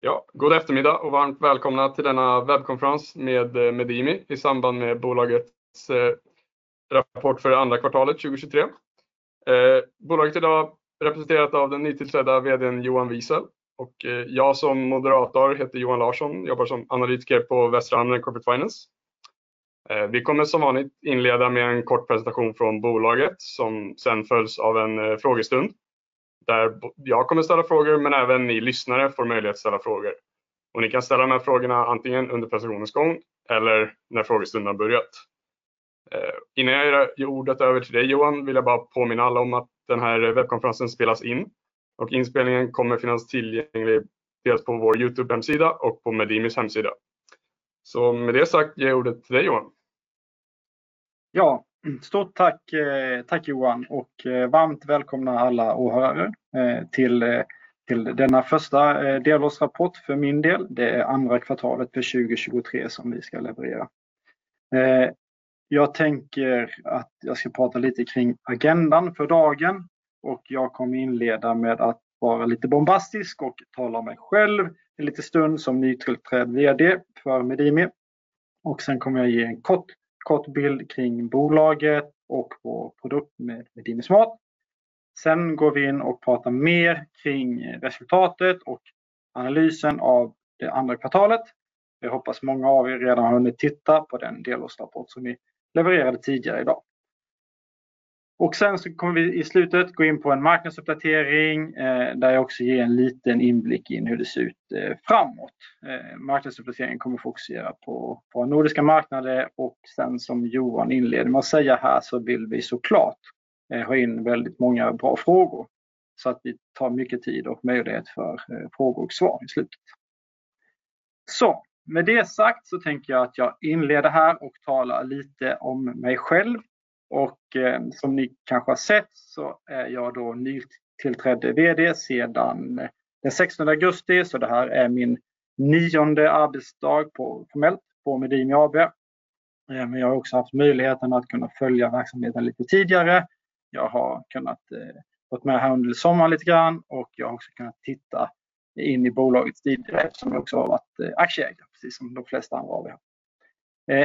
Ja, god eftermiddag och varmt välkomna till denna webbkonferens med Medimi i samband med bolagets rapport för det andra kvartalet 2023. Bolaget idag är representerat av den nytillträdda VD:n Johan Wiesel och jag som moderator heter Johan Larsson, jobbar som analytiker på Westra Corporate Finance. Vi kommer som vanligt inleda med en kort presentation från bolaget, som sedan följs av en frågestund, där jag kommer ställa frågor, men även ni lyssnare får möjlighet att ställa frågor. Ni kan ställa de här frågorna antingen under presentationens gång eller när frågestunden har börjat. Innan jag ger ordet över till dig, Johan, vill jag bara påminna alla om att den här webbkonferensen spelas in och inspelningen kommer att finnas tillgänglig dels på vår Youtubesida och på Medimis hemsida. Med det sagt, ger jag ordet till dig, Johan. Ja, stort tack, tack Johan och varmt välkomna alla åhörare till denna första delårsrapport för min del. Det är andra kvartalet för 2023 som vi ska leverera. Jag tänker att jag ska prata lite kring agendan för dagen och jag kommer inleda med att vara lite bombastisk och tala om mig själv en liten stund som nytillträdd VD för Medimi. Sedan kommer jag ge en kort bild kring bolaget och vår produkt med Medimi Smart. Sen går vi in och pratar mer kring resultatet och analysen av det andra kvartalet. Jag hoppas många av er redan har hunnit titta på den delårsrapport som vi levererade tidigare i dag. Sen så kommer vi i slutet gå in på en marknadsuppdatering, där jag också ger en liten inblick i hur det ser ut framåt. Marknadsuppdateringen kommer att fokusera på nordiska marknader och sedan som Johan inleder med att säga här, så vill vi så klart ha in väldigt många bra frågor så att vi tar mycket tid och möjlighet för frågor och svar i slutet. Med det sagt så tänker jag att jag inleder här och talar lite om mig själv. Som ni kanske har sett så är jag då nytillträdd VD sedan den sextonde augusti. Det här är min nionde arbetsdag formellt på Medimi AB. Men jag har också haft möjligheten att kunna följa verksamheten lite tidigare. Jag har kunnat vara med här under sommaren lite grann och jag har också kunnat titta in i bolaget tidigare, eftersom jag också har varit aktieägare, precis som de flesta andra av er.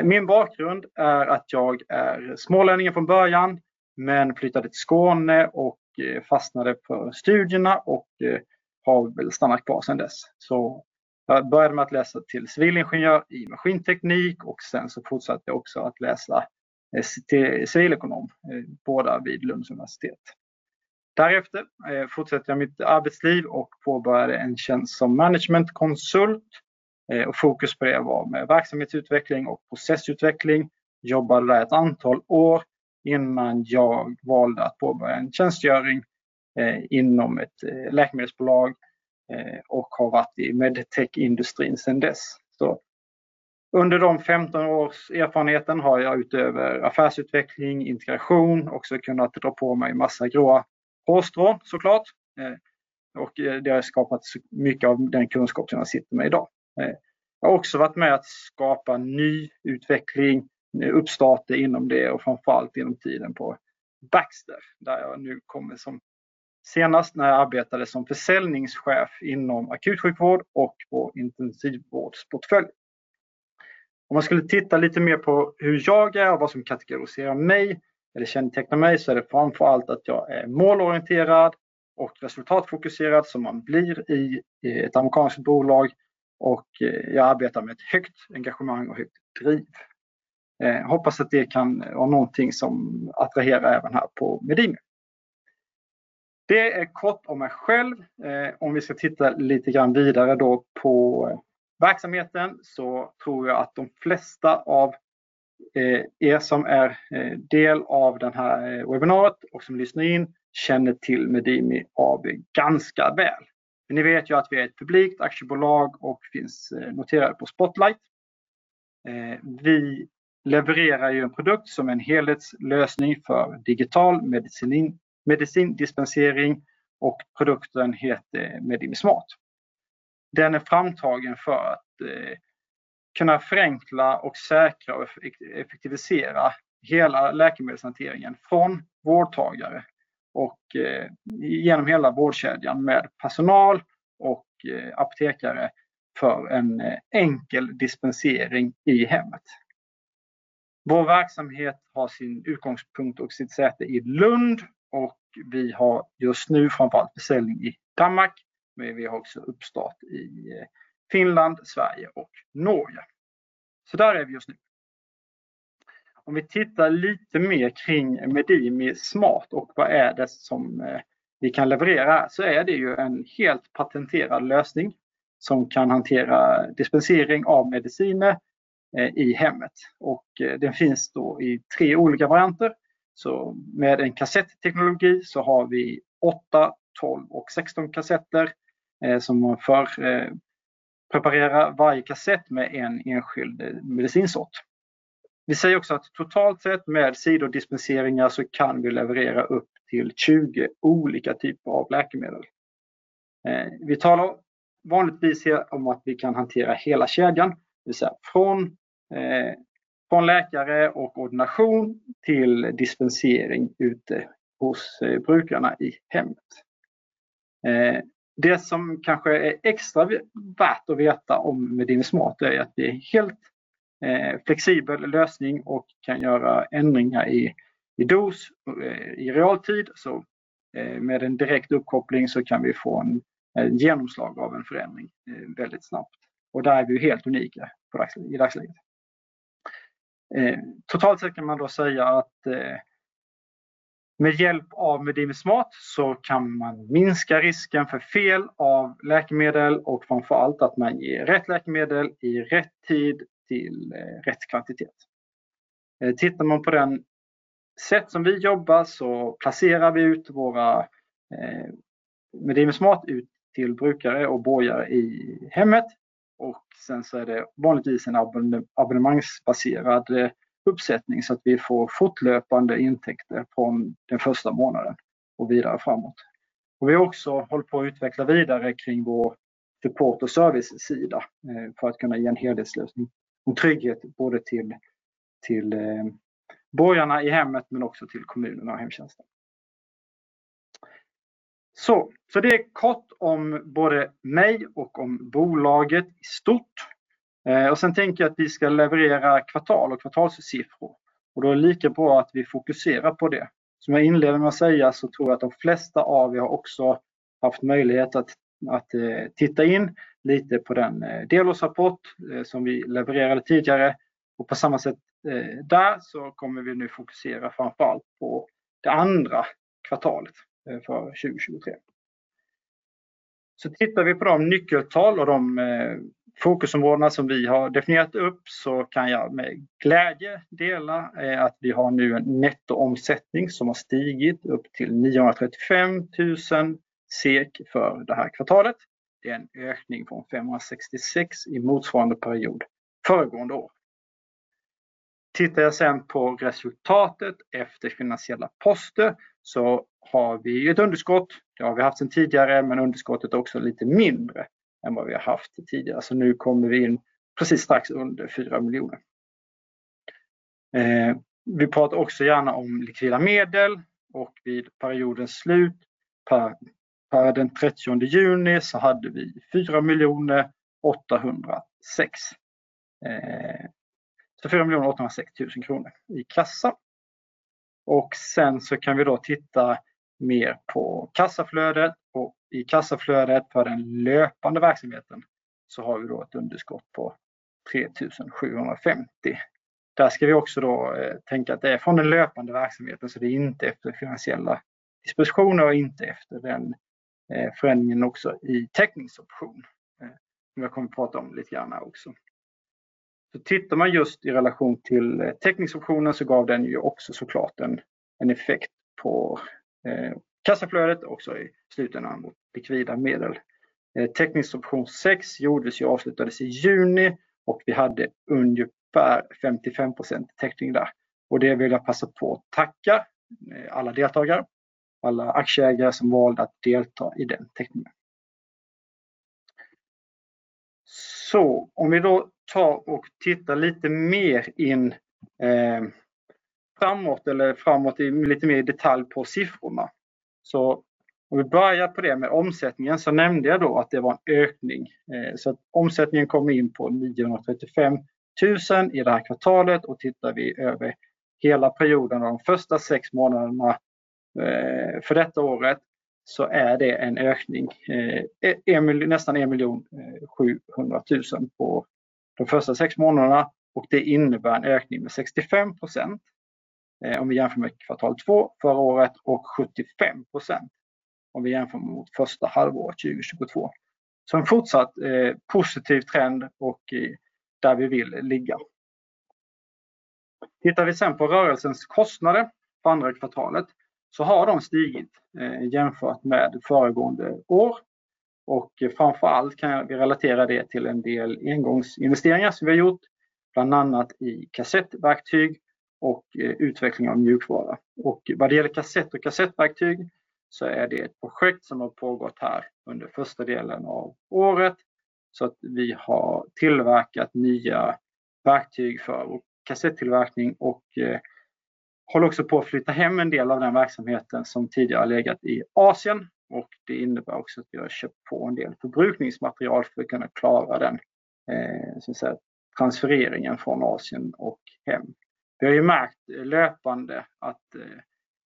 Min bakgrund är att jag är smålänningen från början, men flyttade till Skåne och fastnade för studierna och har väl stannat kvar sedan dess. Så jag började med att läsa till civilingenjör i maskinteknik och sedan så fortsatte jag också att läsa till civilekonom, båda vid Lunds universitet. Därefter fortsatte jag mitt arbetsliv och påbörjade en tjänst som managementkonsult. Fokus på det var med verksamhetsutveckling och processutveckling. Jobbade där ett antal år innan jag valde att påbörja en tjänstgöring inom ett läkemedelsbolag och har varit i Medtech-industrin sedan dess. Under de femton års erfarenheten har jag utöver affärsutveckling, integration, också kunnat dra på mig en massa gråa hårstrån så klart. Det har skapat mycket av den kunskapen jag sitter med idag. Jag har också varit med att skapa ny utveckling, uppstart inom det och framför allt inom tiden på Baxter, där jag nu kommer som senast när jag arbetade som försäljningschef inom akutsjukvård och på intensivvårdsportfölj. Om man skulle titta lite mer på hur jag är och vad som kategoriserar mig eller kännetecknar mig, så är det framför allt att jag är målorienterad och resultatfokuserad, som man blir i ett amerikanskt bolag, och jag arbetar med ett högt engagemang och högt driv. Jag hoppas att det kan vara någonting som attraherar även här på Medimi. Det är kort om mig själv. Om vi ska titta lite grann vidare då på verksamheten så tror jag att de flesta av er som är del av det här webbinariet och som lyssnar in, känner till Medimi AB ganska väl. Ni vet ju att vi är ett publikt aktiebolag och finns noterat på Spotlight. Vi levererar ju en produkt som är en helhetslösning för digital medicin, medicindispensering och produkten heter Medimi Smart. Den är framtagen för att kunna förenkla och säkra och effektivisera hela läkemedelshanteringen från vårdtagare och igenom hela vårdkedjan med personal och apotekare för en enkel dispensering i hemmet. Vår verksamhet har sin utgångspunkt och sitt säte i Lund och vi har just nu framför allt försäljning i Danmark, men vi har också uppstart i Finland, Sverige och Norge. Där är vi just nu. Om vi tittar lite mer kring Medimi Smart och vad är det som vi kan leverera, så är det ju en helt patenterad lösning som kan hantera dispensering av mediciner i hemmet och den finns då i tre olika varianter. Med en kassetteknologi så har vi åtta, tolv och sexton kassetter som förpreparerar varje kassett med en enskild medicinsort. Vi säger också att totalt sett med sidodispenseringar så kan vi leverera upp till 20 olika typer av läkemedel. Vi talar vanligtvis om att vi kan hantera hela kedjan, det vill säga från läkare och ordination till dispensering ute hos brukarna i hemmet. Det som kanske är extra värt att veta om Medim Smart är att det är en helt flexibel lösning och kan göra ändringar i dos i realtid. Så med en direkt uppkoppling så kan vi få en genomslag av en förändring väldigt snabbt. Där är vi ju helt unika i dagsläget. Totalt sett kan man då säga att med hjälp av Medim Smart så kan man minska risken för fel av läkemedel och framför allt att man ger rätt läkemedel i rätt tid till rätt kvantitet. Tittar man på det sätt som vi jobbar så placerar vi ut våra Medim Smart ut till brukare och borgare i hemmet. Och sen så är det vanligtvis en abonnemangsbaserad uppsättning så att vi får fortlöpande intäkter från den första månaden och vidare framåt. Och vi har också hållit på att utveckla vidare kring vår support- och servicesida för att kunna ge en helhetslösning och trygghet både till borgarna i hemmet, men också till kommunerna och hemtjänsten. Så det är kort om både mig och om bolaget i stort. Och sen tänker jag att vi ska leverera kvartal och kvartalssiffror, och då är det lika bra att vi fokuserar på det. Som jag inledde med att säga, så tror jag att de flesta av er har också haft möjlighet att titta in lite på den delårsrapport som vi levererade tidigare. På samma sätt där, så kommer vi nu fokusera framför allt på det andra kvartalet för 2023. Tittar vi på de nyckeltal och de fokusområdena som vi har definierat upp, så kan jag med glädje dela att vi har nu en nettoomsättning som har stigit upp till 935 000 SEK för det här kvartalet. Det är en ökning från 566 000 i motsvarande period föregående år. Tittar jag sedan på resultatet efter finansiella poster så har vi ett underskott. Det har vi haft sedan tidigare, men underskottet är också lite mindre än vad vi har haft tidigare. Nu kommer vi in precis strax under 4 miljoner. Vi pratar också gärna om likvida medel och vid periodens slut, per den 30 juni, så hade vi 4 806 000 kronor i kassa. Sen så kan vi då titta mer på kassaflödet. I kassaflödet för den löpande verksamheten så har vi då ett underskott på 3 750. Där ska vi också då tänka att det är från den löpande verksamheten, så det är inte efter finansiella dispositioner och inte efter förändringen också i teckningsoption som jag kommer att prata om lite grann här också. Tittar man just i relation till teckningsoptionen så gav den ju också så klart en effekt på kassaflödet också i slutändan mot likvida medel. Teckningsoption sex gjordes ju och avslutades i juni och vi hade ungefär 55% teckning där. Det vill jag passa på att tacka alla deltagare, alla aktieägare som valde att delta i den teckningen. Om vi då tar och tittar lite mer in framåt eller framåt i lite mer detalj på siffrorna. Om vi börjar på det med omsättningen så nämnde jag då att det var en ökning. Omsättningen kom in på 935,000 i det här kvartalet och tittar vi över hela perioden och de första sex månaderna för detta året, så är det en ökning, nästan 1,700,000 på de första sex månaderna och det innebär en ökning med 65%. Om vi jämför med kvartal två förra året och 75% om vi jämför mot första halvåret 2022. En fortsatt positiv trend och där vi vill ligga. Tittar vi sen på rörelsens kostnader för andra kvartalet, så har de stigit jämfört med föregående år. Framför allt kan vi relatera det till en del engångsinvesteringar som vi har gjort, bland annat i kassetverktyg och utveckling av mjukvara. Och vad det gäller kassett och kassetverktyg, så är det ett projekt som har pågått här under första delen av året, så att vi har tillverkat nya verktyg för vår kassetttillverkning och håller också på att flytta hem en del av den verksamheten som tidigare har legat i Asien. Och det innebär också att vi har köpt på en del förbrukningsmaterial för att kunna klara den, transfereringen från Asien och hem. Vi har ju märkt löpande att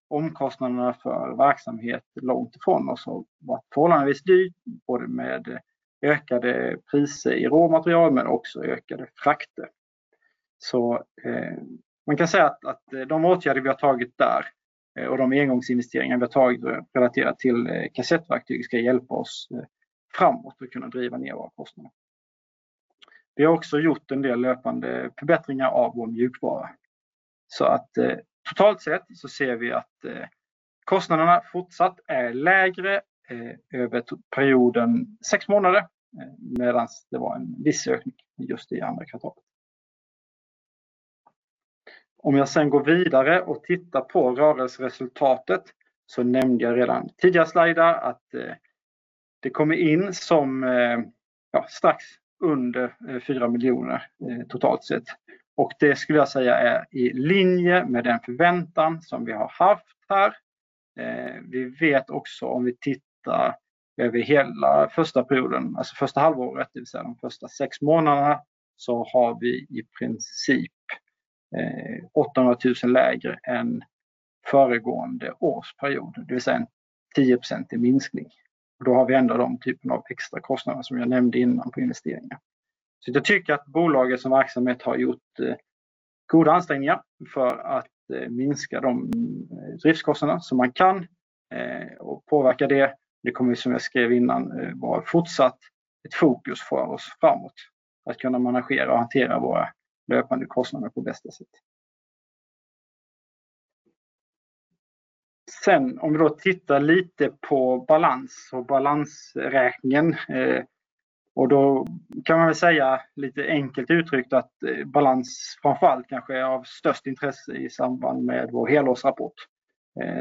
omkostnaderna för verksamhet långt ifrån oss har varit förhållandevis dyrt, både med ökade priser i råmaterial, men också ökade frakter. Så man kan säga att de åtgärder vi har tagit där och de engångsinvesteringar vi har tagit relaterat till kassetverktyg, ska hjälpa oss framåt och kunna driva ner våra kostnader. Vi har också gjort en del löpande förbättringar av vår mjukvara. Totalt sett så ser vi att kostnaderna fortsatt är lägre över perioden sex månader, medan det var en viss ökning just i andra kvartalet. Om jag sedan går vidare och tittar på rörelseresultatet så nämnde jag redan tidigare slajdar att det kommer in som, ja, strax under 4 miljoner totalt sett. Det skulle jag säga är i linje med den förväntan som vi har haft här. Vi vet också om vi tittar över hela första perioden, alltså första halvåret, det vill säga de första sex månaderna, så har vi i princip 800 000 lägre än föregående årsperiod, det vill säga en 10% minskning. Då har vi ändå de typen av extrakostnader som jag nämnde innan på investeringar. Jag tycker att bolaget som verksamhet har gjort goda ansträngningar för att minska de driftskostnaderna som man kan och påverka det. Det kommer vi, som jag skrev innan, vara fortsatt ett fokus för oss framåt. Att kunna managera och hantera våra löpande kostnader på bästa sätt. Sen om vi då tittar lite på balans och balansräkningen, och då kan man väl säga lite enkelt uttryckt att balans framför allt kanske är av störst intresse i samband med vår helårsrapport.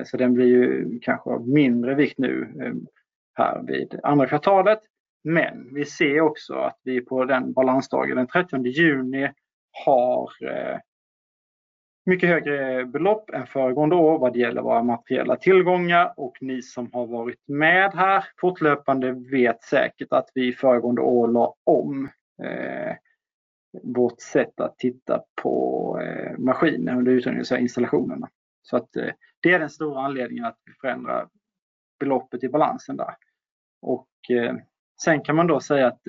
Så den blir ju kanske av mindre vikt nu här vid andra kvartalet. Men vi ser också att vi på den balansdagen, den trettionde juni, har mycket högre belopp än föregående år vad det gäller våra materiella tillgångar. Och ni som har varit med här fortlöpande vet säkert att vi föregående år la om vårt sätt att titta på maskiner under uthyrning, så installationerna. Så att det är den stora anledningen att vi förändrar beloppet i balansen där. Och sen kan man då säga att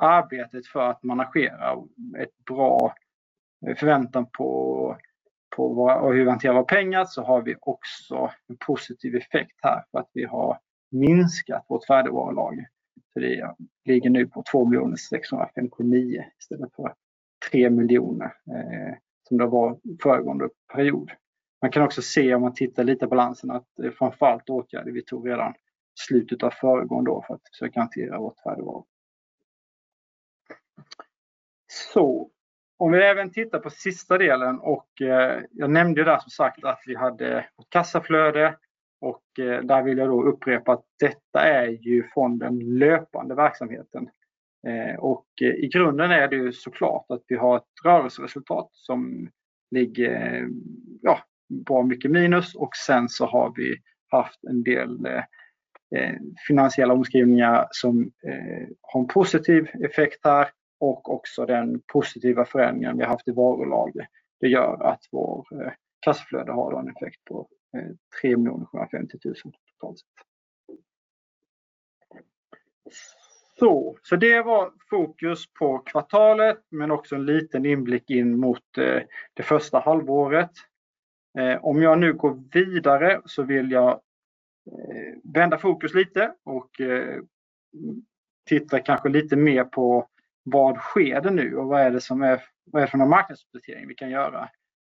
i arbetet för att managera ett bra förväntan på, på våra, hur vi hanterar våra pengar, så har vi också en positiv effekt här för att vi har minskat vårt värdevarulager. För det ligger nu på 2,65 miljoner istället för 3 miljoner som det var föregående period. Man kan också se om man tittar lite på balansen att det är framför allt åtgärder vi tog redan slutet av föregående år för att försöka hantera vårt värdevaru. Om vi även tittar på sista delen och jag nämnde det som sagt, att vi hade vårt kassaflöde och där vill jag då upprepa att detta är ju från den löpande verksamheten. I grunden är det ju så klart att vi har ett rörelseresultat som ligger, ja, bra mycket minus och sen så har vi haft en del finansiella omskrivningar som har en positiv effekt här och också den positiva förändringen vi haft i varulager. Det gör att vår kassaflöde har en effekt på 3,75 miljoner totalt sett. Det var fokus på kvartalet, men också en liten inblick in mot det första halvåret. Om jag nu går vidare så vill jag vända fokus lite och titta kanske lite mer på vad sker det nu och vad är det som är, vad är det för någon marknadsuppdatering vi kan göra?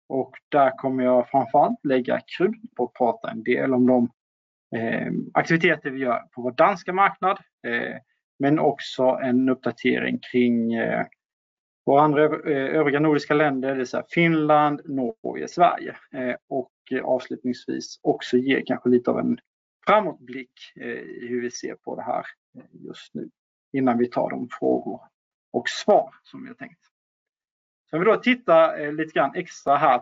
Och där kommer jag framför allt lägga krut på att prata en del om de aktiviteter vi gör på vår danska marknad, men också en uppdatering kring våra andra övriga nordiska länder, det vill säga Finland, Norge, Sverige. Och avslutningsvis också ge kanske lite av en framåtblick i hur vi ser på det här just nu, innan vi tar de frågor och svar som vi har tänkt. Om vi då tittar lite grann extra här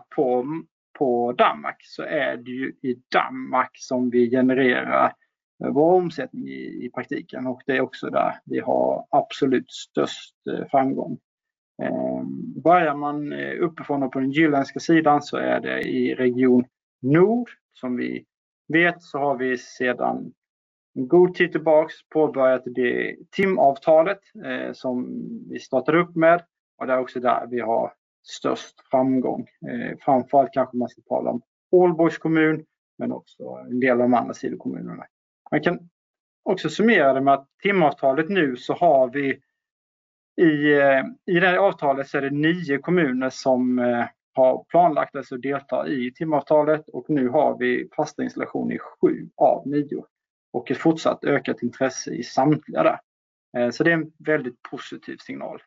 på Danmark, så är det ju i Danmark som vi genererar vår omsättning i praktiken och det är också där vi har absolut störst framgång. Börjar man uppifrån och på den jylländska sidan så är det i Region Nord. Som vi vet så har vi sedan en god tid tillbaka påbörjat det timavtalet, som vi startade upp med och det är också där vi har störst framgång. Framför allt kanske man ska tala om Aalborgs kommun, men också en del av de andra sidor kommunerna. Man kan också summera det med att timavtalet nu så har vi i det här avtalet så är det nio kommuner som har planlagt sig att delta i timavtalet och nu har vi pastainstallation i sju av nio och ett fortsatt ökat intresse i samtliga. Så det är en väldigt positiv signal.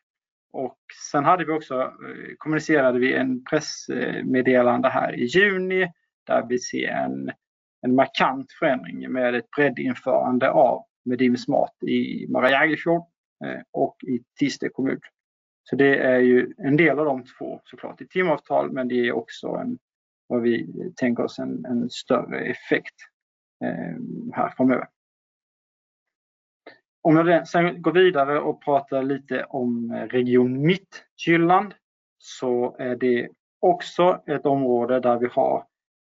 Sen hade vi också, kommunicerade vi en pressmeddelande här i juni, där vi ser en markant förändring med ett breddinförande av Medimus Smart i Mariagerfjord och i Thisted kommun. Så det är ju en del av de två så klart i timavtal, men det är också en, vad vi tänker oss, en större effekt här framöver. Om jag sedan går vidare och pratar lite om Region Mittjylland, så är det också ett område där vi har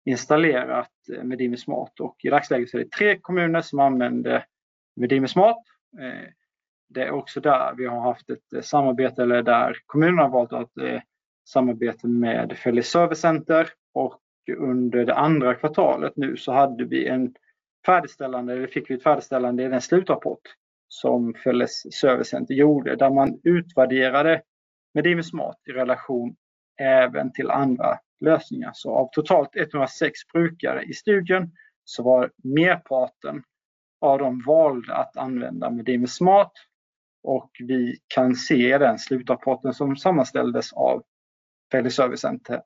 installerat Medimus Smart och i dagsläget så är det tre kommuner som använder Medimus Smart. Det är också där vi har haft ett samarbete eller där kommunen har valt att samarbeta med Fällys Servicecenter och under det andra kvartalet nu så hade vi en färdigställande, fick vi ett färdigställande i den slutrapport som Fällys Servicecenter gjorde, där man utvärderade Medimus Smart i relation även till andra lösningar. Av totalt 106 brukare i studien så var merparten av dem valde att använda Medimus Smart. Vi kan se den slutrapporten som sammanställdes av Fältservicecenter,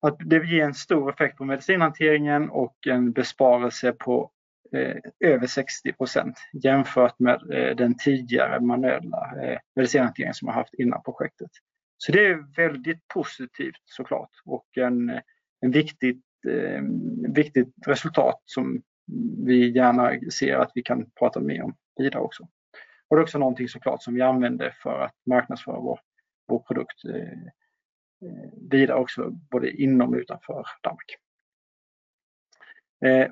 att det ger en stor effekt på medicinhanteringen och en besparing på över 60%, jämfört med den tidigare manuella medicinhanteringen som man haft innan projektet. Så det är väldigt positivt så klart och ett viktigt resultat som vi gärna ser att vi kan prata mer om vidare också. Det är också någonting så klart som vi använder för att marknadsföra vår produkt vidare också, både inom och utanför Danmark.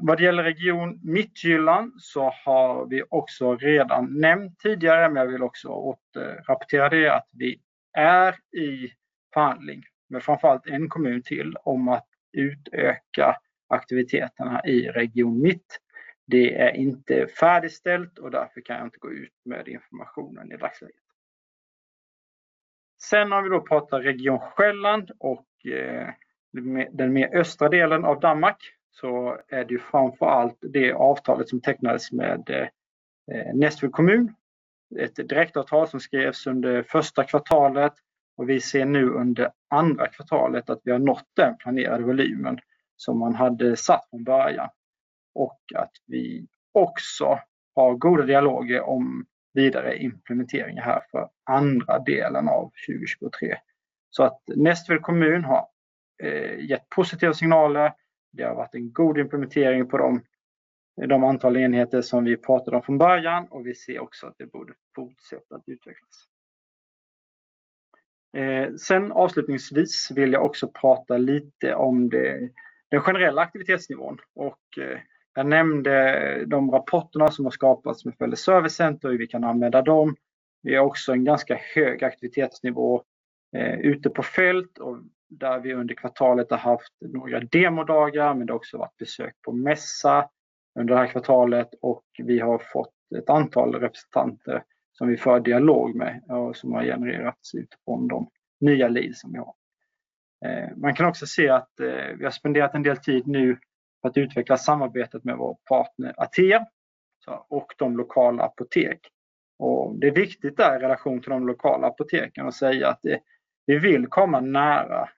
Vad det gäller Region Mittjylland, så har vi också redan nämnt tidigare, men jag vill också återrapportera det, att vi är i förhandling med framför allt en kommun till om att utöka aktiviteterna i Region Mitt. Det är inte färdigställt och därför kan jag inte gå ut med informationen i dagsläget. Om vi då pratar Region Själland och den mer östra delen av Danmark, så är det ju framför allt det avtalet som tecknades med Næstved Kommun. Ett direktavtal som skrevs under första kvartalet och vi ser nu under andra kvartalet att vi har nått den planerade volymen som man hade satt från början och att vi också har goda dialoger om vidare implementering här för andra delen av 2023, så att Næstved Kommun har gett positiva signaler. Det har varit en god implementering på de antal enheter som vi pratade om från början och vi ser också att det borde fortsätta att utvecklas. Sen avslutningsvis vill jag också prata lite om den generella aktivitetsnivån och jag nämnde de rapporterna som har skapats med Fältservicecenter och hur vi kan använda dem. Vi har också en ganska hög aktivitetsnivå ute på fält och där vi under kvartalet har haft några demodagar, men det har också varit besök på mässa under det här kvartalet och vi har fått ett antal representanter som vi för dialog med och som har genererats utifrån de nya lead som vi har. Man kan också se att vi har spenderat en del tid nu på att utveckla samarbetet med vår partner Atea och de lokala apoteken. Det är viktigt där i relation till de lokala apoteken att säga att vi vill komma nära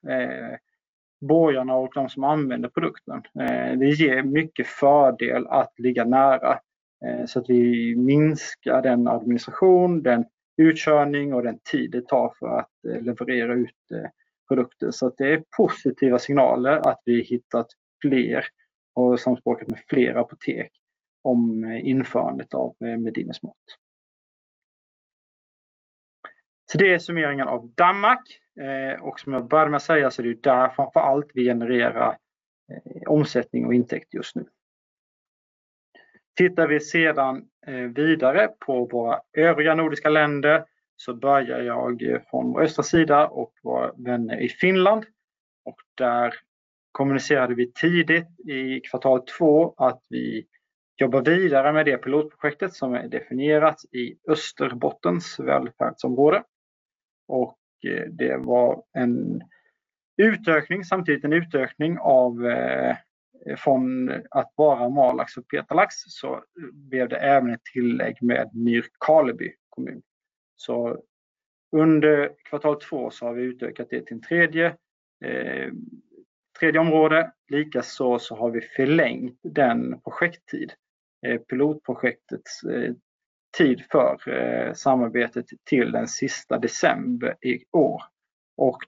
borgarna och de som använder produkten. Det ger mycket fördel att ligga nära, så att vi minskar den administration, den utkörning och den tid det tar för att leverera ut produkter. Så att det är positiva signaler att vi hittat fler och samspråkat med fler apotek om införandet av Medin Smart. Så det är summeringen av Danmark, och som jag började med att säga, så är det där framför allt vi genererar omsättning och intäkt just nu. Tittar vi sedan vidare på våra övriga nordiska länder, så börjar jag från vår östra sida och våra vänner i Finland. Där kommunicerade vi tidigt i kvartal två att vi jobbar vidare med det pilotprojektet som är definierat i Österbottens välfärdsområde. Det var en utökning, samtidigt en utökning av, från att vara Malax och Petalax, så blev det även ett tillägg med Nykarleby kommun. Under kvartal två så har vi utökat det till en tredje, tredje område. Likaså så har vi förlängt den projekttid, pilotprojektets tid för samarbetet till den sista december i år.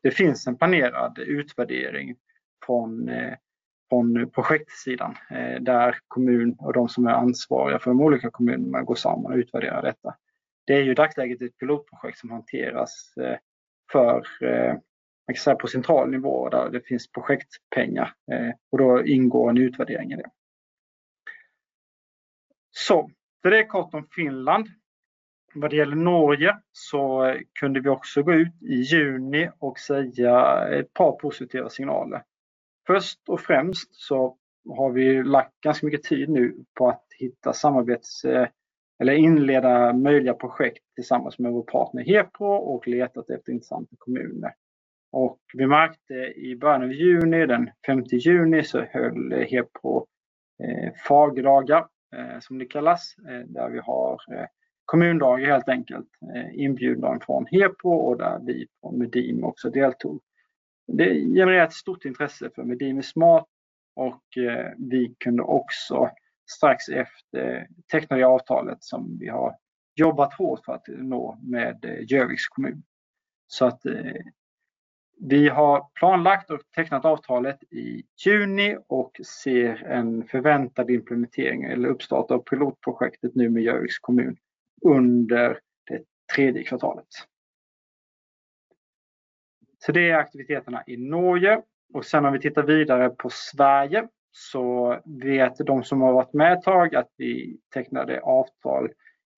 Det finns en planerad utvärdering från projektsidan där kommun och de som är ansvariga för de olika kommunerna går samman och utvärderar detta. Det är ju i dagsläget ett pilotprojekt som hanteras, man kan säga på central nivå, där det finns projektpengar, och då ingår en utvärdering i det. Det är kort om Finland. Vad det gäller Norge, så kunde vi också gå ut i juni och säga ett par positiva signaler. Först och främst så har vi lagt ganska mycket tid nu på att hitta samarbets, eller inleda möjliga projekt tillsammans med vår partner HEPO och letat efter intressanta kommuner. Vi märkte i början av juni, den femte juni, så höll HEPO Fagdagar, som det kallas, där vi har kommundagar, helt enkelt, inbjudan från HEPO och där vi från Medin också deltog. Det genererar ett stort intresse för Medin Smart och vi kunde också strax efter teckna det avtalet som vi har jobbat hårt för att nå med Gjöviks kommun. Vi har planlagt och tecknat avtalet i juni och ser en förväntad implementering eller uppstart av pilotprojektet nu med Gjöviks kommun under det tredje kvartalet. Det är aktiviteterna i Norge. När vi tittar vidare på Sverige, så vet de som har varit med ett tag att vi tecknade avtal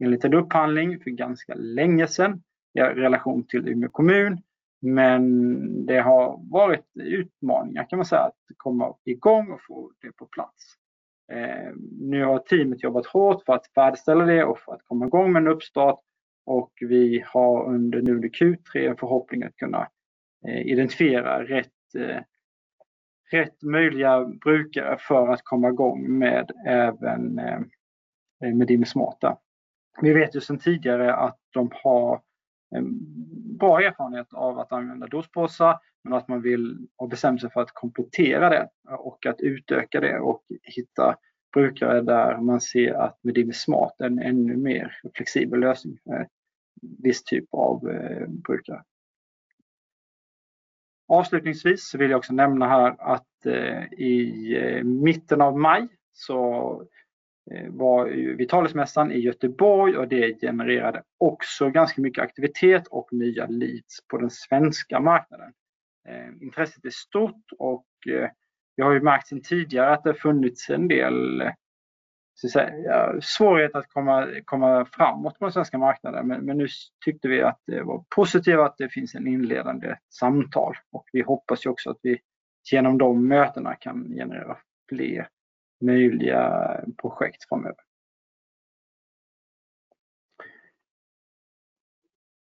enligt en upphandling för ganska länge sedan, i relation till Umeå kommun. Men det har varit utmaningar kan man säga, att komma i gång och få det på plats. Nu har teamet jobbat hårt för att färdigställa det och för att komma i gång med en uppstart och vi har under nu det Q3 en förhoppning att kunna identifiera rätt... Rätt möjliga brukare för att komma igång med även med Medime Smart. Vi vet ju sedan tidigare att de har en bra erfarenhet av att använda dospåsar, men att man vill och har bestämt sig för att komplettera det och att utöka det och hitta brukare där man ser att Medime Smart är en ännu mer flexibel lösning för en viss typ av brukare. Avslutningsvis så vill jag också nämna här att i mitten av maj så var ju Vitalismässan i Göteborg och det genererade också ganska mycket aktivitet och nya leads på den svenska marknaden. Intresset är stort och vi har ju märkt sedan tidigare att det har funnits en del, ska vi säga, svårighet att komma framåt på den svenska marknaden. Men nu tyckte vi att det var positivt att det finns ett inledande samtal och vi hoppas ju också att vi genom de mötena kan generera fler möjliga projekt framöver.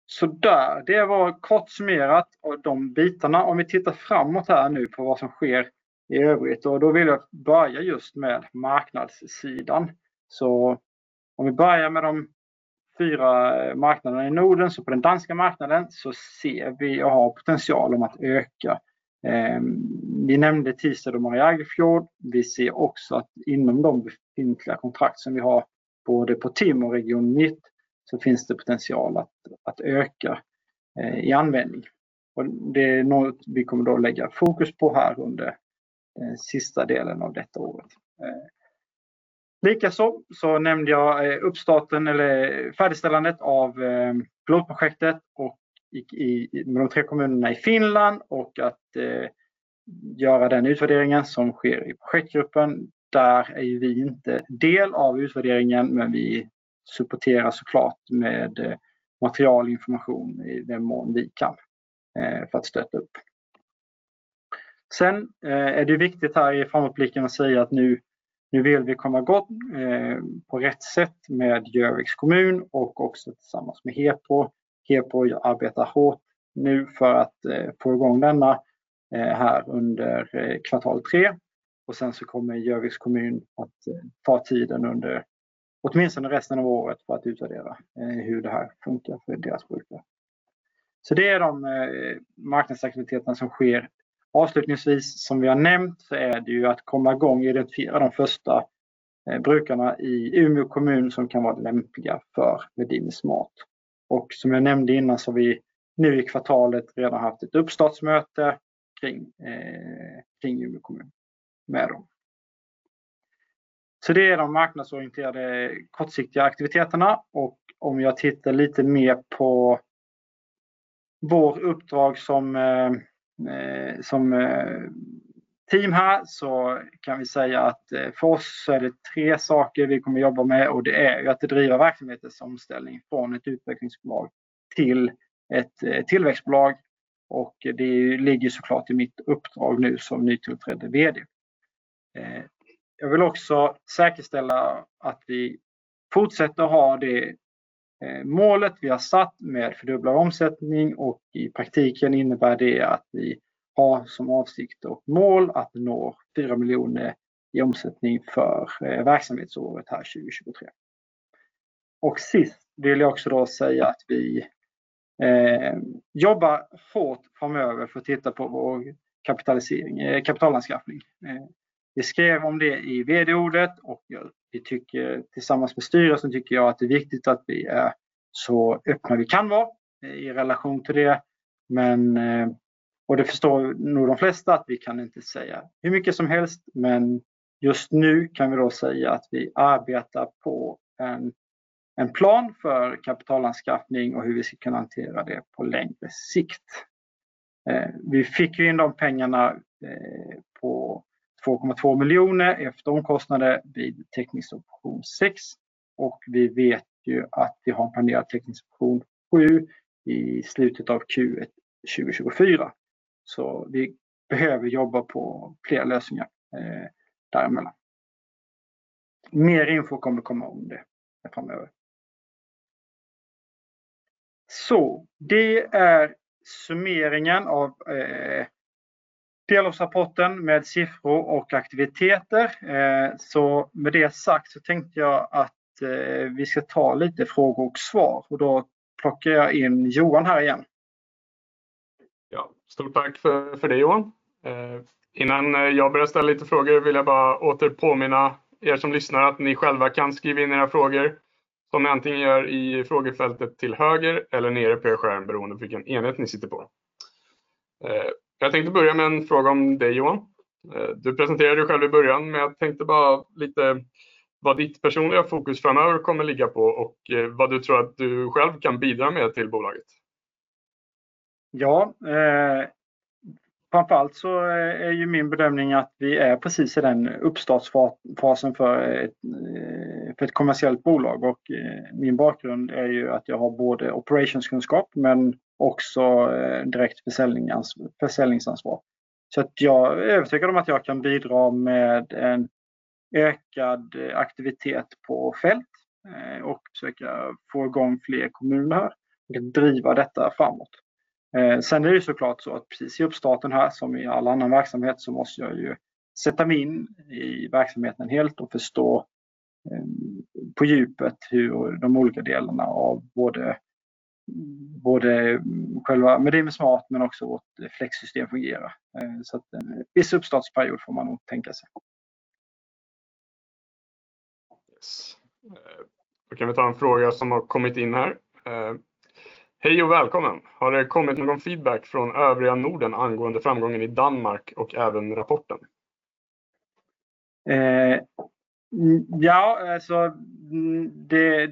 Sådär, det var kort summerat av de bitarna. Om vi tittar framåt här nu på vad som sker i övrigt och då vill jag börja just med marknadssidan. Om vi börjar med de fyra marknaderna i Norden, så på den danska marknaden så ser vi och har potential om att öka. Vi nämnde Thisted och Mariagerfjord. Vi ser också att inom de befintliga kontrakt som vi har, både på Tim och Region Nytt, så finns det potential att öka i användning. Det är något vi kommer att lägga fokus på här under sista delen av detta året. Likaså så nämnde jag uppstarten eller färdigställandet av pilotprojektet i de tre kommunerna i Finland och att göra den utvärderingen som sker i projektgruppen. Där är ju vi inte del av utvärderingen, men vi supporterar så klart med materialinformation i den mån vi kan, för att stötta upp. Sen är det viktigt här i framåtblicken att säga att nu vill vi komma igång på rätt sätt med Görviks kommun och också tillsammans med Hepo. Hepo arbetar hårt nu för att få igång denna här under kvartal tre. Sen så kommer Görviks kommun att ta tiden under åtminstone resten av året för att utvärdera hur det här funkar för deras brukare. Det är de marknadsaktiviteterna som sker. Avslutningsvis, som vi har nämnt, så är det ju att komma igång och identifiera de första brukarna i Umeå kommun som kan vara lämpliga för Medime Smart. Och som jag nämnde innan så har vi nu i kvartalet redan haft ett uppstartsmöte kring Umeå kommun med dem. Så det är de marknadsorienterade kortsiktiga aktiviteterna och om jag tittar lite mer på vår uppdrag som team här, så kan vi säga att för oss så är det tre saker vi kommer att jobba med och det är att driva verksamhetens omställning från ett utvecklingsbolag till ett tillväxtbolag. Och det ligger så klart i mitt uppdrag nu som nytillträdd VD. Jag vill också säkerställa att vi fortsätter att ha det målet vi har satt med fördubbla omsättning och i praktiken innebär det att vi har som avsikt och mål att nå 4 miljoner i omsättning för verksamhetsåret här 2023. Och sist vill jag också då säga att vi jobbar hårt framöver för att titta på vår kapitalisering, kapitalanskaffning. Vi skrev om det i vd-ordet och vi tycker tillsammans med styrelsen, tycker jag, att det är viktigt att vi är så öppna vi kan vara i relation till det. Men, och det förstår nog de flesta, att vi kan inte säga hur mycket som helst, men just nu kan vi då säga att vi arbetar på en plan för kapitalanskaffning och hur vi ska kunna hantera det på längre sikt. Vi fick ju in de pengarna på 2,2 miljoner efter omkostnader vid teckningsoption sex och vi vet ju att vi har planerat teckningsoption sju i slutet av Q1 2024. Så vi behöver jobba på flera lösningar däremellan. Mer info kommer komma om det framöver. Så, det är summeringen av delårsrapporten med siffror och aktiviteter. Så med det sagt så tänkte jag att vi ska ta lite frågor och svar och då plockar jag in Johan här igen. Ja, stort tack för det, Johan. Innan jag börjar ställa lite frågor vill jag bara åter påminna er som lyssnar att ni själva kan skriva in era frågor. Som ni antingen gör i frågefältet till höger eller nere på er skärm, beroende på vilken enhet ni sitter på. Jag tänkte börja med en fråga om dig, Johan. Du presenterade dig själv i början, men jag tänkte bara lite vad ditt personliga fokus framöver kommer ligga på och vad du tror att du själv kan bidra med till bolaget? Ja, framför allt så är ju min bedömning att vi är precis i den uppstartsfasen för ett kommersiellt bolag och min bakgrund är ju att jag har både operationskunskap men också direkt försäljning, försäljningsansvar. Så att jag är övertygad om att jag kan bidra med en ökad aktivitet på fält och försöka få i gång fler kommuner här och driva detta framåt. Sen är det så klart så att precis i uppstarten här, som i all annan verksamhet, så måste jag ju sätta mig in i verksamheten helt och förstå på djupet hur de olika delarna av både själva Medin Smart, men också vårt flexsystem fungerar. Så att en viss uppstartsperiod får man nog tänka sig. Ja, då kan vi ta en fråga som har kommit in här. Hej och välkommen! Har det kommit någon feedback från övriga Norden angående framgången i Danmark och även rapporten?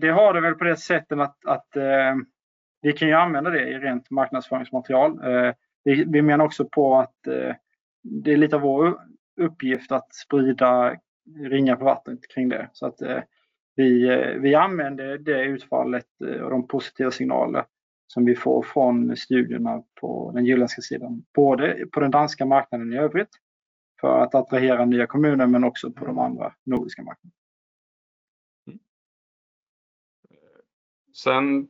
Det har det väl på det sätten att vi kan ju använda det i rent marknadsföringsmaterial. Vi menar också på att det är lite av vår uppgift att sprida ringar på vattnet kring det. Så att vi använder det utfallet och de positiva signaler som vi får från studierna på den jylländska sidan, både på den danska marknaden i övrigt, för att attrahera nya kommuner, men också på de andra nordiska marknaderna. Sedan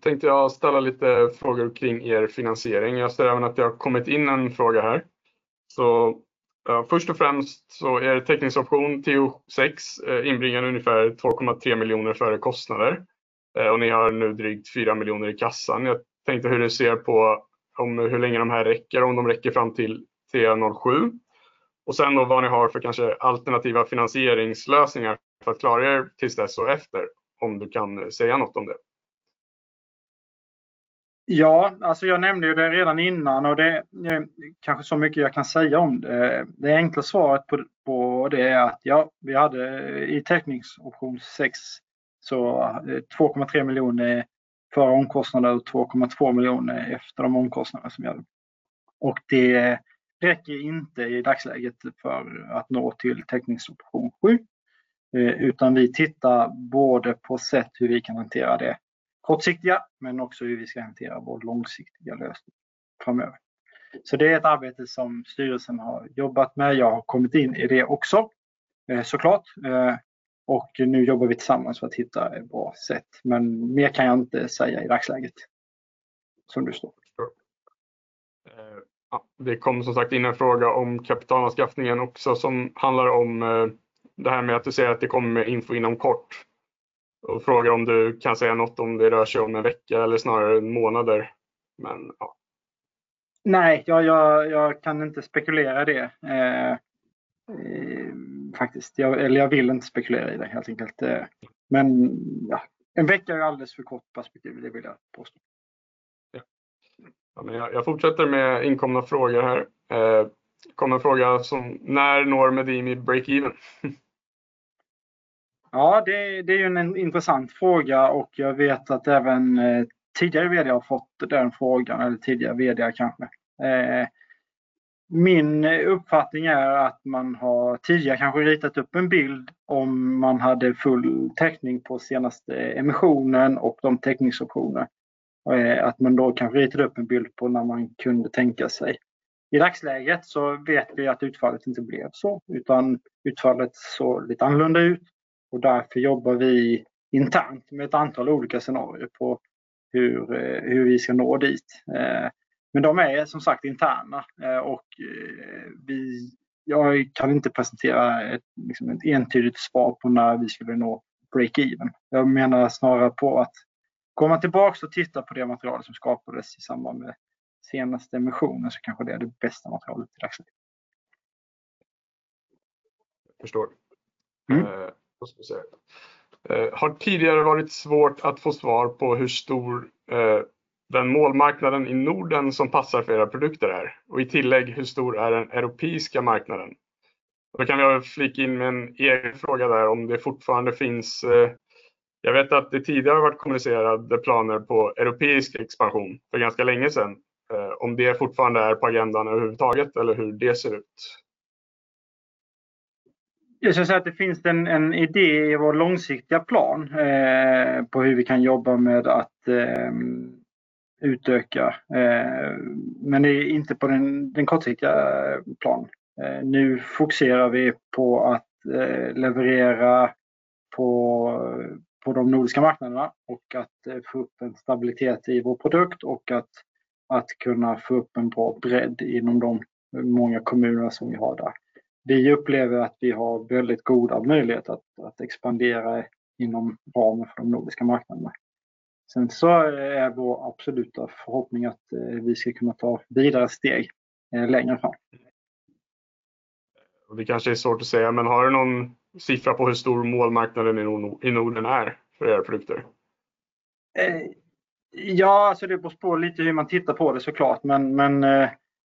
tänkte jag ställa lite frågor kring er finansiering. Jag ser även att det har kommit in en fråga här. Så, ja, först och främst så är det teckningsoption TO 6 inbringade ungefär 2,3 miljoner kronor före kostnader och ni har nu drygt 4 miljoner kronor i kassan. Jag tänkte hur ni ser på hur länge de här räcker, om de räcker fram till TO 07? Och sen då vad ni har för kanske alternativa finansieringslösningar för att klara er tills dess och efter. Om du kan säga något om det. Ja, alltså, jag nämnde ju det redan innan och det är kanske så mycket jag kan säga om det. Det enkla svaret på det är att ja, vi hade i teckningsoption sex, så 2,3 miljoner före omkostnader och 2,2 miljoner efter de omkostnader som gjordes. Och det räcker inte i dagsläget för att nå till teckningsoption sju utan vi tittar både på sätt hur vi kan hantera det kortsiktiga, men också hur vi ska hantera vår långsiktiga lösning framöver. Så det är ett arbete som styrelsen har jobbat med. Jag har kommit in i det också, såklart, och nu jobbar vi tillsammans för att hitta bra sätt. Men mer kan jag inte säga i dagsläget, som det står. Ja, det kom som sagt in en fråga om kapitalanskaffningen också, som handlar om det här med att du säger att det kommer info inom kort. Och frågar om du kan säga något om det rör sig om en vecka eller snarare månader. Nej, jag kan inte spekulera det, faktiskt. Eller jag vill inte spekulera i det, helt enkelt. Men ja, en vecka är alldeles för kort perspektiv, det vill jag påstå. Ja, men jag fortsätter med inkomna frågor här. Det kom en fråga som: när når Medini break even? Ja, det är ju en intressant fråga och jag vet att även tidigare VD har fått den frågan, eller tidigare VD:ar kanske. Min uppfattning är att man har tidigare kanske ritat upp en bild om man hade full täckning på senaste emissionen och de teckningsoptioner, att man då kanske ritade upp en bild på när man kunde tänka sig. I dagsläget så vet vi att utfallet inte blev så, utan utfallet såg lite annorlunda ut och därför jobbar vi internt med ett antal olika scenarier på hur vi ska nå dit. Men de är som sagt interna och jag kan inte presentera ett entydigt svar på när vi skulle nå break even. Jag menar snarare på att komma tillbaka och titta på det materialet som skapades i samband med senaste emissionen, så kanske det är det bästa materialet i dagsläget. Jag förstår. Mm. Då ska vi se. Har tidigare varit svårt att få svar på hur stor den målmarknaden i Norden som passar för era produkter är? Och i tillägg, hur stor är den europeiska marknaden? Då kan jag flika in med en egen fråga där, om det fortfarande finns... Jag vet att det tidigare har varit kommunicerade planer på europeisk expansion för ganska länge sedan. Om det fortfarande är på agendan överhuvudtaget eller hur det ser ut? Jag skulle säga att det finns en idé i vår långsiktiga plan på hur vi kan jobba med att utöka, men det är inte på den kortsiktiga planen. Nu fokuserar vi på att leverera på de nordiska marknaderna och att få upp en stabilitet i vår produkt och att kunna få upp en bra bredd inom de många kommunerna som vi har där. Vi upplever att vi har väldigt goda möjligheter att expandera inom ramen för de nordiska marknaderna. Sen så är vår absoluta förhoppning att vi ska kunna ta vidare steg längre fram. Det kanske är svårt att säga, men har du någon siffra på hur stor målmarknaden i Norden är för era produkter? Det beror lite på hur man tittar på det så klart. Men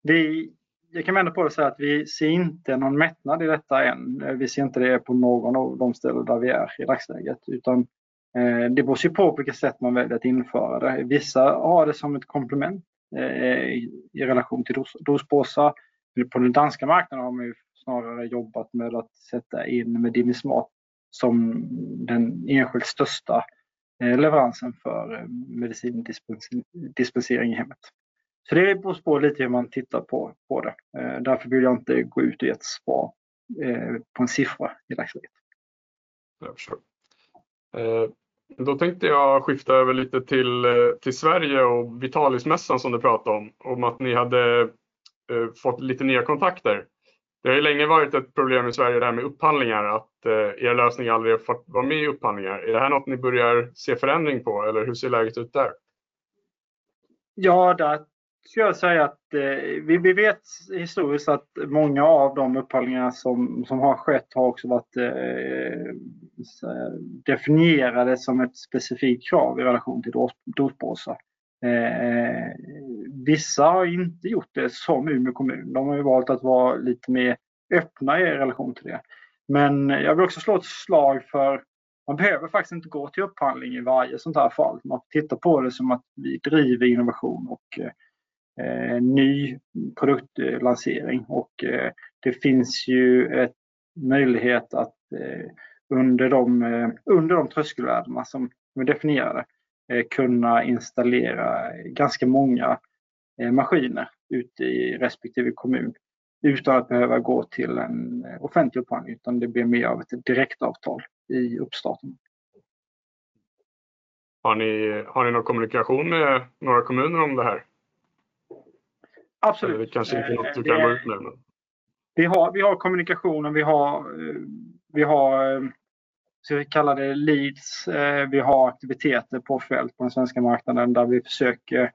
vi, jag kan vända på det så här, att vi ser inte någon mättnad i detta än. Vi ser inte det på någon av de ställen där vi är i dagsläget, utan det beror på vilket sätt man väljer att införa det. Vissa har det som ett komplement i relation till dospåsa. På den danska marknaden har man ju snarare jobbat med att sätta in Medinis mart som den enskilt största leveransen för medicindispensering i hemmet. Så det är på spår lite hur man tittar på det. Därför vill jag inte gå ut i ett spå på en siffra i dagsläget. Jag förstår. Då tänkte jag skifta över lite till Sverige och Vitalismässan som du pratar om, att ni hade fått lite nya kontakter. Det har ju länge varit ett problem i Sverige, det här med upphandlingar, att er lösning aldrig har fått vara med i upphandlingar. Är det här något ni börjar se förändring på? Eller hur ser läget ut där? Ja, där skulle jag säga att vi vet historiskt att många av de upphandlingarna som har skett har också varit definierade som ett specifikt krav i relation till dos, dospåsar. Vissa har inte gjort det som Umeå kommun. De har ju valt att vara lite mer öppna i relation till det. Men jag vill också slå ett slag för man behöver faktiskt inte gå till upphandling i varje sådant här fall. Man tittar på det som att vi driver innovation och ny produktlansering. Det finns ju ett möjlighet att under de tröskelvärdena som vi definierar kunna installera ganska många maskiner ute i respektive kommun, utan att behöva gå till en offentlig upphandling, utan det blir mer av ett direktavtal i uppstarten. Har ni någon kommunikation med några kommuner om det här? Absolut! Det kanske inte är något du kan gå ut med, men. Vi har kommunikationen, vi har, ska vi kalla det leads. Vi har aktiviteter på fält på den svenska marknaden, där vi försöker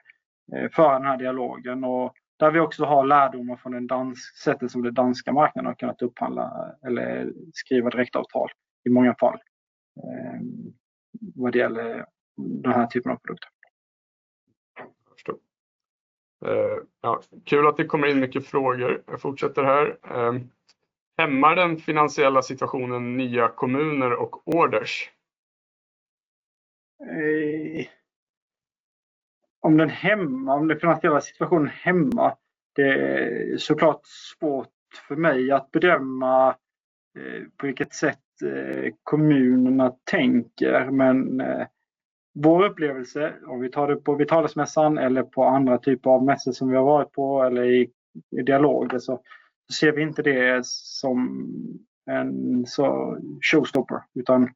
föra den här dialogen och där vi också har lärdomar från det sättet som den danska marknaden har kunnat upphandla eller skriva direktavtal i många fall, vad det gäller den här typen av produkter. Jag förstår. Ja, kul att det kommer in mycket frågor. Jag fortsätter här. Hämmar den finansiella situationen nya kommuner och orders? Om den hämmar, om den finansiella situationen hämmar? Det är såklart svårt för mig att bedöma på vilket sätt kommunerna tänker. Men vår upplevelse, om vi tar det på Vitalismässan eller på andra typer av mässor som vi har varit på eller i dialog, då så ser vi inte det som en så showstopper, utan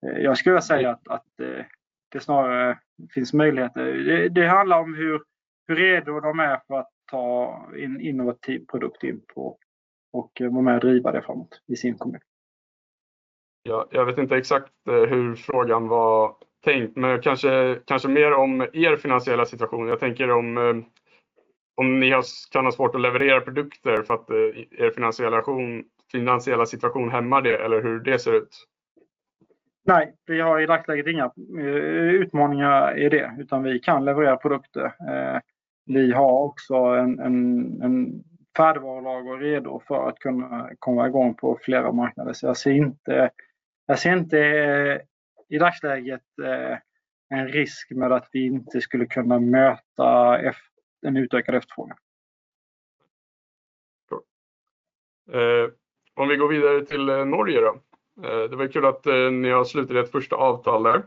jag skulle väl säga att det snarare finns möjligheter. Det handlar om hur redo de är för att ta in innovativ produkt in på och vara med och driva det framåt i sin kommun. Ja, jag vet inte exakt hur frågan var tänkt, men kanske mer om er finansiella situation. Jag tänker om ni har kämpat svårt att leverera produkter för att er finansiella situation hämmar det eller hur det ser ut? Nej, vi har i dagsläget inga utmaningar i det, utan vi kan leverera produkter. Vi har också ett färdigvarulager redo för att kunna komma igång på flera marknader. Så jag ser inte, jag ser inte i dagsläget en risk med att vi inte skulle kunna möta en utökad efterfrågan. Om vi går vidare till Norge då. Det var kul att ni har slutit ett första avtal där.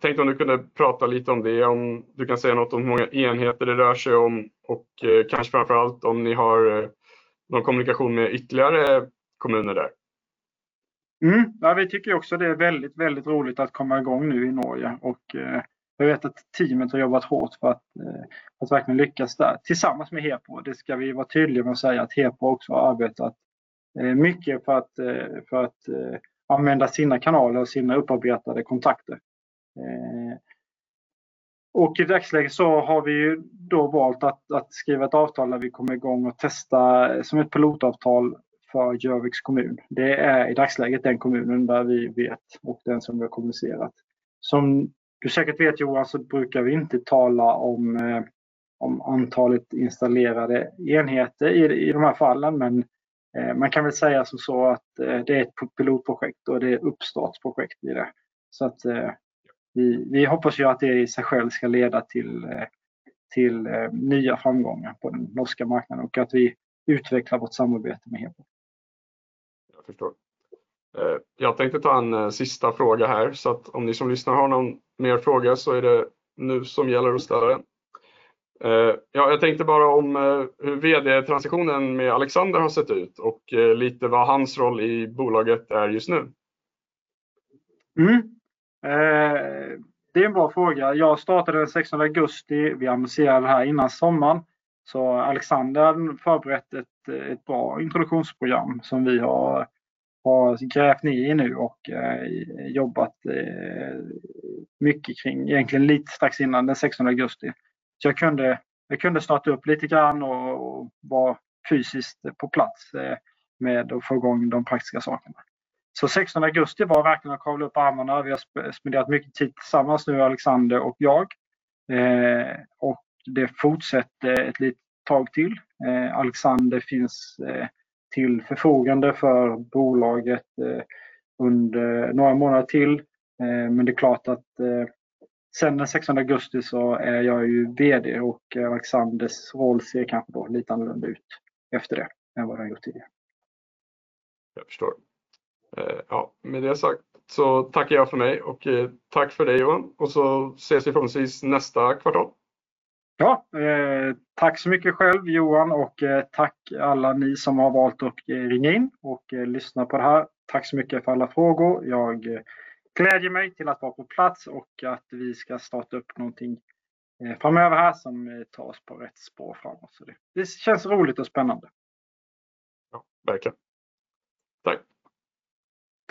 Tänkte om du kunde prata lite om det, om du kan säga något om många enheter det rör sig om och kanske framför allt om ni har någon kommunikation med ytterligare kommuner där. Ja, vi tycker också det är väldigt, väldigt roligt att komma igång nu i Norge och jag vet att teamet har jobbat hårt för att verkligen lyckas där tillsammans med HEPO. Det ska vi vara tydliga med att säga, att HEPO också har arbetat mycket för att använda sina kanaler och sina upparbetade kontakter. Och i dagsläget så har vi ju då valt att skriva ett avtal där vi kommer igång och testa som ett pilotavtal för Gjöviks kommun. Det är i dagsläget den kommunen där vi vet och den som vi har kommunicerat. Som du säkert vet, Johan, så brukar vi inte tala om antalet installerade enheter i de här fallen, men man kan väl säga som så att det är ett pilotprojekt och det är ett uppstartsprojekt i det. Vi hoppas ju att det i sig själv ska leda till nya framgångar på den norska marknaden och att vi utvecklar vårt samarbete med HEPO. Jag förstår. Jag tänkte ta en sista fråga här, så att om ni som lyssnar har någon mer fråga så är det nu som gäller att ställa den. Ja, jag tänkte bara om hur VD-transitionen med Alexander har sett ut och lite vad hans roll i bolaget är just nu. Det är en bra fråga. Jag startade den sextonde augusti. Vi annonserade det här innan sommaren, så Alexander förberett ett bra introduktionsprogram som vi har grävt i nu och jobbat mycket kring, egentligen lite strax innan den sextonde augusti. Så jag kunde starta upp lite grann och vara fysiskt på plats med att få i gång de praktiska sakerna. Så sextonde augusti var verkligen att kavla upp armarna. Vi har spenderat mycket tid tillsammans nu, Alexander och jag, och det fortsätter ett litet tag till. Alexander finns till förfogande för bolaget under några månader till. Men det är klart att sedan den sextonde augusti så är jag ju VD och Alexanders roll ser kanske då lite annorlunda ut efter det än vad han har gjort tidigare. Jag förstår. Ja, med det sagt så tackar jag för mig och tack för det Johan, och så ses vi förhoppningsvis nästa kvartal. Ja, tack så mycket själv, Johan, och tack alla ni som har valt att ringa in och lyssna på det här. Tack så mycket för alla frågor. Jag gläder mig till att vara på plats och att vi ska starta upp någonting framöver här som tar oss på rätt spår framåt. Det känns roligt och spännande! Ja, verkligen. Tack!